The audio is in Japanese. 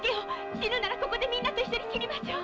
死ぬなら、ここでみんなと一緒に死にましょう。